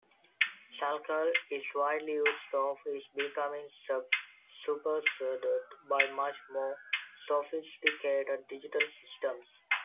Selcall is widely used, though is becoming superseded by much more sophisticated digital systems.